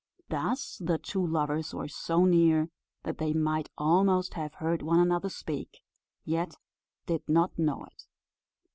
Thus the two lovers were so near, that they might almost have heard one another speak, yet did not know it.